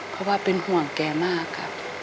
เพราะว่าเป็นห่วงแค่มาก